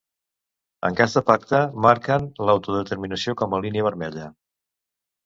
En cas de pacte, marquen l'autodeterminació com a línia vermella.